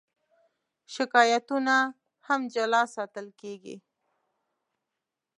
شکایتونه هم جلا ساتل کېږي.